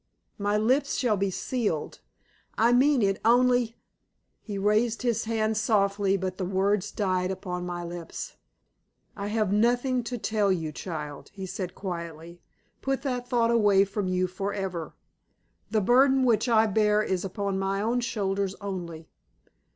My lips shall be sealed. I mean it! Only " He raised his hand softly, but the words died upon my lips. "I have nothing to tell you, child," he said, quietly. "Put that thought away from you forever. The burden which I bear is upon my own shoulders only.